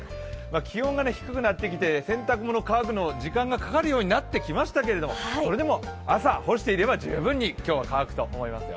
気温が低くなってきて洗濯物乾くの時間がかかるようになってきましたけど、それでも朝干していれば十分に乾くと思いますよ。